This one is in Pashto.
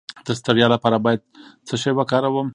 د ستړیا لپاره باید څه شی وکاروم؟